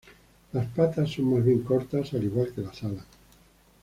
Las patas son más bien cortas, al igual que las alas.